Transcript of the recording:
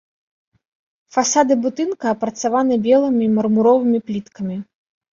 Фасады будынка апрацаваны белымі мармуровымі пліткамі.